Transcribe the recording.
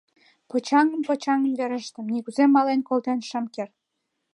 — Почаҥым, почаҥым верыштем, нигузе мален колтен шым керт.